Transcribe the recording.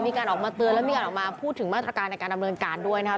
มีการออกมาเตือนแล้วมีการออกมาพูดถึงมาตรการในการดำเนินการด้วยนะครับ